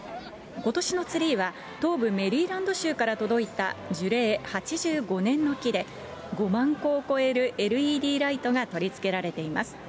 ことしのツリーは東部メリーランド州から届いた樹齢８５年の木で、５万個を超えるＬＥＤライトが取り付けられています。